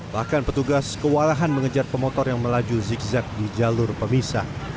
bahkan petugas kewalahan mengejar pemotor yang melaju zigzag di jalur pemisah